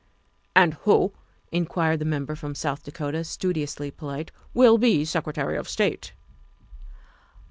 '' "And who," inquired the Member from South Dakota, studiously polite, " will be Secretary of State?"